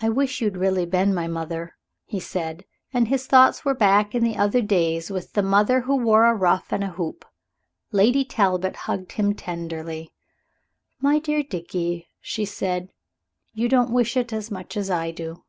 "I wish you'd really been my mother," he said, and his thoughts were back in the other days with the mother who wore a ruff and hoop. Lady Talbot hugged him tenderly. "My dear little Dickie," she said, "you don't wish it as much as I do."